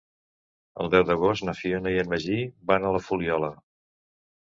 El deu d'agost na Fiona i en Magí van a la Fuliola.